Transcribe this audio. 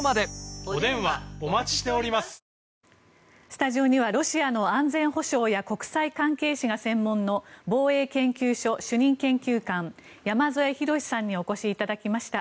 スタジオにはロシアの安全保障や国際関係史が専門の防衛研究所主任研究官山添博史さんにお越しいただきました。